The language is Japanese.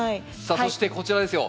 さあそしてこちらですよ。